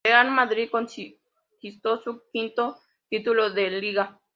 El Real Madrid conquistó su quinto título de liga.